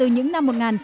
cho các em nghỉ học